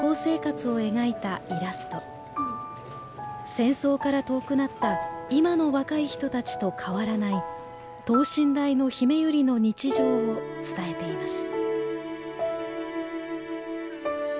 戦争から遠くなった今の若い人たちと変わらない等身大のひめゆりの“日常”を伝えています。